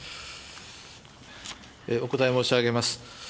お答え申し上げます。